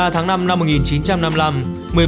một mươi ba tháng năm năm một nghìn chín trăm năm mươi năm